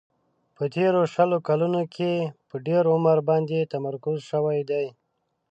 په تیرو شلو کلونو کې په ډېر عمر باندې تمرکز شوی دی.